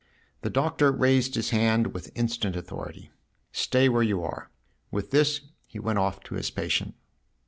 The Doctor raised his hand with instant authority. " Stay where you are !" With this he went off to his patient.